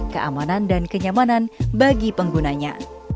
keamanan dan kenyamanan bagi penggunanya